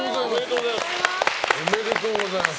おめでとうございます！